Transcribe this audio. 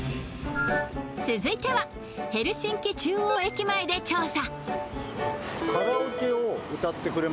続いてはヘルシンキ中央駅前で調査。